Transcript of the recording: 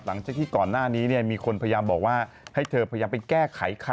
ข้างไหนอ่ะตรงกลางหน้า